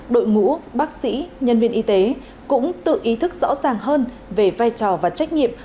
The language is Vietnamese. đội ngũ bác sĩ nhân viên y tế cũng tự ý thức rõ ràng hơn về vai trò và trách nhiệm